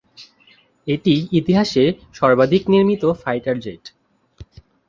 এটি ইতিহাসে সর্বাধিক নির্মিত ফাইটার জেট।